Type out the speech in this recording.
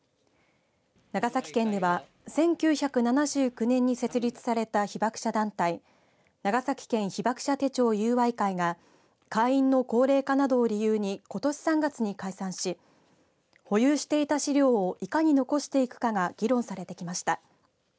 長崎県では１９７９年に設立された被爆者団体長崎県被爆者手帳友愛会が会員の高齢化などを理由にことし３月に解散し保有していた資料をいかに残していくかが議論されてきました。